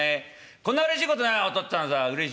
こんなうれしいことないよお父っつぁんさあうれしいよ」。